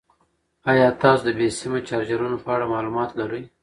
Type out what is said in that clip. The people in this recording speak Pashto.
ایا تاسو د بې سیمه چارجرونو په اړه معلومات لرئ؟